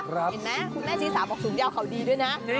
เห็นไหมคุณแม่ชีสาบอกสูงยาวเขาดีด้วยนะ